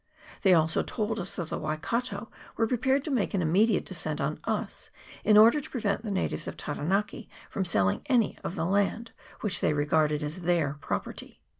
They also told us that the Wai kato were prepared to make an immediate descent on us, in order to prevent the natives of Taranaki from M2 164 MOTU ROA ISLAND. [PART I. selling any of the land, which they regarded as their property.